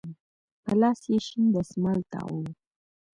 په لاس يې شين دسمال تاو و.